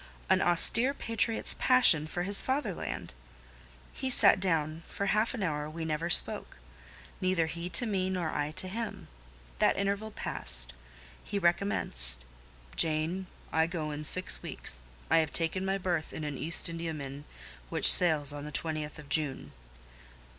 An austere patriot's passion for his fatherland! He sat down; for half an hour we never spoke; neither he to me nor I to him: that interval past, he recommenced— "Jane, I go in six weeks; I have taken my berth in an East Indiaman which sails on the 20th of June."